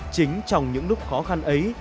chính trong những lúc khó khăn ấy